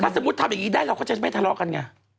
สมมุติทำอย่างนี้ได้เราก็จะไม่ทะเลาะกันไง